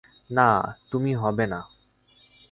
না, তুমি হবে না।